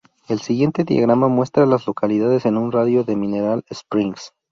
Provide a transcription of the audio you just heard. El siguiente diagrama muestra a las localidades en un radio de de Mineral Springs.